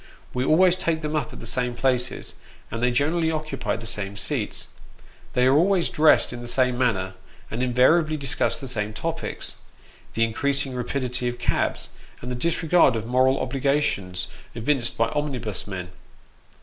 We always take them up at the same places, and they generally occupy the same seats ; they are always dressed in the same manner, and invariably discuss the same topics the Cads and Regulars. 103 increasing rapidity of cabs, and the disregard of moral obligations evinced by omnibus men.